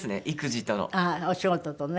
ああお仕事とね。